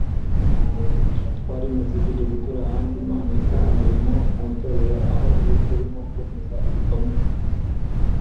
Twarimutse tujya gutura ahandi, Imana impa umurimo mu itorero aho ubu irimo kunkiza ibikomere